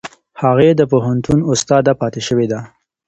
هغې د پوهنتون استاده پاتې شوې ده.